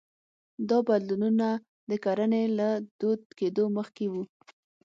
دا بدلونونه د کرنې له دود کېدو مخکې وو